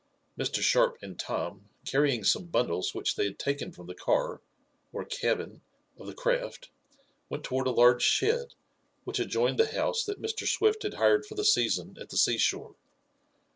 Mr. Sharp and Tom, carrying some bundles which they had taken from the car, or cabin, of the craft, went toward a large shed, which adjoined the house that Mr. Swift had hired for the season at the seashore.